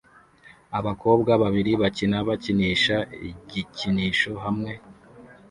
Abakobwa babiri bakina bakinisha igikinisho hamwe